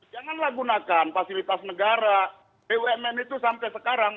janganlah gunakan fasilitas negara bumn itu sampai sekarang